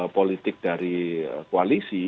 politik dari koalisi